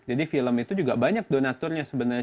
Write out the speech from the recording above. jadi film itu juga banyak donaturnya sebenarnya